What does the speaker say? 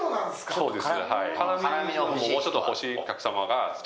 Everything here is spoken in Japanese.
そうです。